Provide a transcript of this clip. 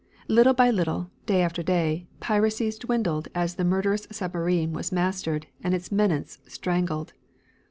Little by little, day after day, piracies dwindled as the murderous submarine was mastered and its menace strangled.